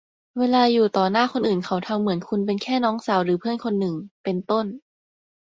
เวลาอยู่ต่อหน้าคนอื่นเขาทำเหมือนคุณเป็นแค่น้องสาวหรือเพื่อนคนหนึ่ง เป็นต้น